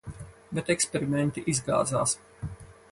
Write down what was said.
Bet eksperimenti izgāzās.